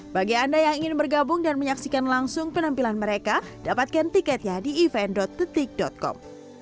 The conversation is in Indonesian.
bagi anda yang ingin bergabung dan menyaksikan langsung penampilan mereka dapatkan tiketnya di event detik com